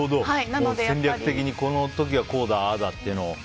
戦略的に、この時はこうだああだっていうのを？